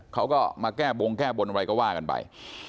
เขาก็มาแก้บงแก้บนอะไรก็ว่ากันไป